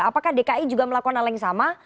apakah dki juga melakukan hal yang sama